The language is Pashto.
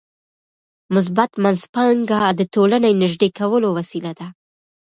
مثبت منځپانګه د ټولنې نږدې کولو وسیله ده.